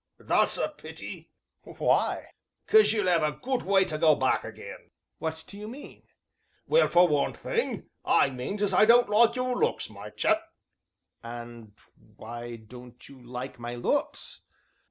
"That's a pity." "Why?" "'Cause you'll 'ave a good way to go back again." "What do you mean?" "Well, for one thing, I means as I don't like your looks, my chap." "And why don't you like my looks?"